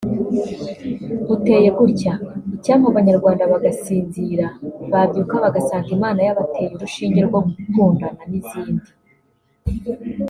buteye gutya“Icyampa abanyarwanda bagasinzira babyuka bagasanga Imana yabateye urushinge rwo gukundana” n’izindi